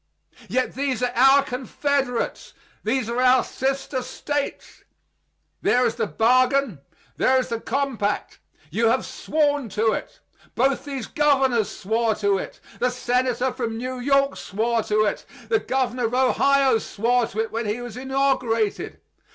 Yet these are our confederates; these are our sister States! There is the bargain; there is the compact. You have sworn to it. Both these governors swore to it. The senator from New York swore to it. The governor of Ohio swore to it when he was inaugurated.